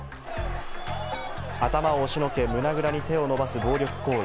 頭を押しのけ、胸ぐらに手を伸ばす暴力行為。